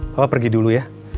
papa pergi dulu ya